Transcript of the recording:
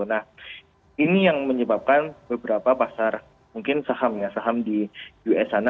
nah ini yang menyebabkan beberapa pasar mungkin saham ya saham di us sana